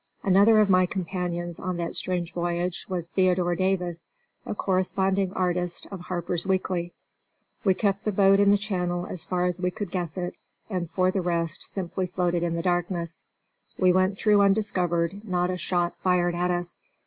Another of my companions on that strange voyage was Theodore Davis, a corresponding artist of Harper's Weekly. We kept the boat in the channel as far as we could guess it, and, for the rest, simply floated in the darkness. We went through undiscovered; not a shot fired at us.